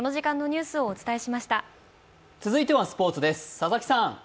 続いてはスポーツです。